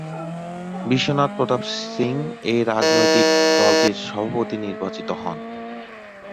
বিশ্বনাথ প্রতাপ সিং এই রাজনৈতিক দলটির সভাপতি নির্বাচিত হন।